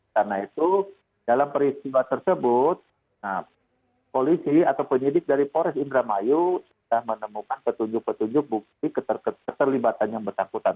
karena itu dalam peristiwa tersebut polisi atau penyidik dari polres indramayu sudah menemukan ketujuh ketujuh bukti keterlibatan yang bertanggung